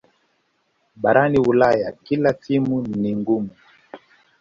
barani ulaya kila timu ni ngumu